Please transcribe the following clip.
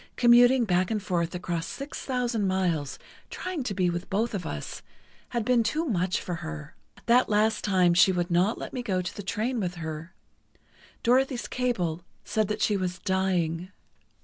Commuting back and forth across six thousand miles, trying to be with both of us, had been too much for her. That last time she would not let me go to the train with her. Dorothy's cable said that she was dying.